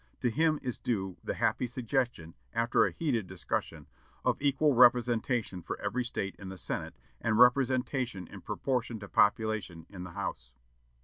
To him is due the happy suggestion, after a heated discussion, of equal representation for every State in the Senate, and representation in proportion to population in the House.